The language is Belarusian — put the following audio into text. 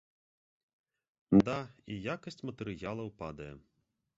Да і якасць матэрыялаў падае.